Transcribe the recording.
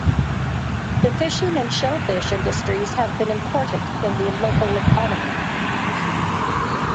The fishing and shellfish industries have been important in the local economy.